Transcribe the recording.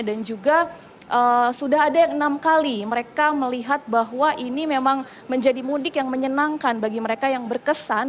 dan juga sudah ada yang enam kali mereka melihat bahwa ini memang menjadi mudik yang menyenangkan bagi mereka yang berkesan